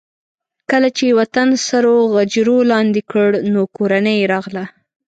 کله چې یې وطن سرو غجرو لاندې کړ نو کورنۍ یې راغله.